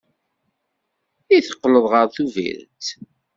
I teqqleḍ ɣer Tubiret?